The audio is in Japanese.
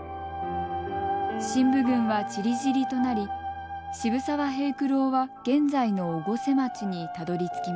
振武軍はちりぢりとなり渋沢平九郎は現在の越生町にたどりつきました。